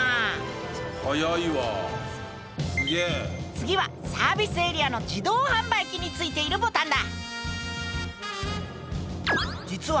次はサービスエリアの自動販売機についているボタンだ。